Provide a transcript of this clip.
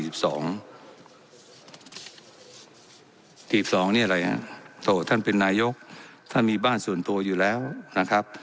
สองนี่อะไรฮะโสดท่านเป็นนายกท่านมีบ้านส่วนตัวอยู่แล้วนะครับ